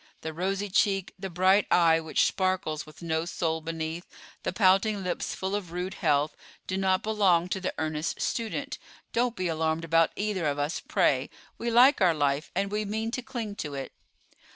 The rosy cheek, the bright eye which sparkles with no soul beneath, the pouting lips full of rude health, do not belong to the earnest student. Don't be alarmed about either of us, pray; we like our life, and we mean to cling to it."